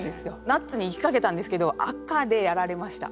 ナッツに行きかけたんですけど「アカ」でやられました。